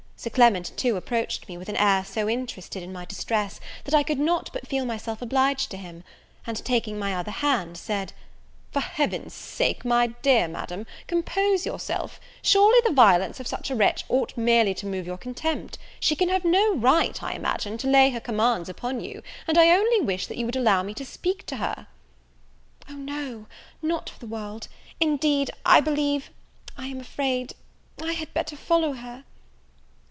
Sir Clement, too, approached me, with an air so interested in my distress, that I could not but feel myself obliged to him; and, taking my other hand, said, "For Heaven's sake, my dear Madam, compose yourself: surely the violence of such a wretch ought merely to move your contempt; she can have no right, I imagine, to lay her commands upon you, and I only wish that you would allow me to speak to her." "O no! not for the world! indeed, I believe, I am afraid I had better follow her."